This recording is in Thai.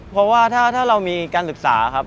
เพราะว่าถ้าเรามีการศึกษาครับ